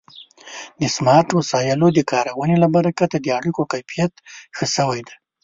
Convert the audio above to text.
د سمارټ وسایلو د کارونې له برکته د اړیکو کیفیت ښه شوی دی.